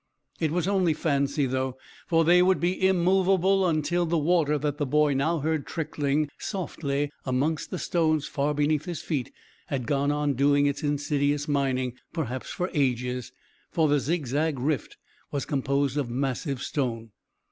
It was only fancy though, for they would be immovable until the water that the boy now heard trickling softly amongst the stones far beneath his feet had gone on doing its insidious mining perhaps for ages, for the zigzag rift was composed of massive stone.